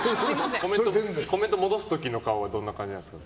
コメント戻す時の顔はどんな感じなんですか？